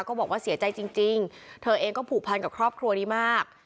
ก็บอกว่าเสียใจจริงเธอเองก็ผูกพันกับครอบครัวนี้มาก